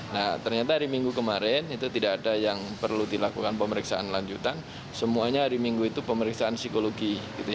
nah ternyata hari minggu kemarin itu tidak ada yang perlu dilakukan pemeriksaan lanjutan semuanya hari minggu itu pemeriksaan psikologi